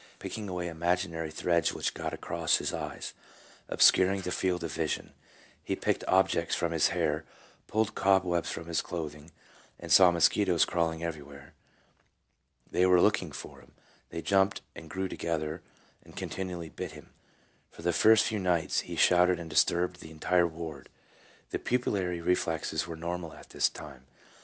275 picking away imaginary threads which got across his eyes, obscuring his field of vision. He picked objects from his hair, pulled cobwebs from his clothing, and saw mosquitoes crawling everywhere. They were looking for him, they jumped and grew together, and continually bit him. For the first few nights he shouted and disturbed the entire ward. The pupillary reflexes were normal at this time.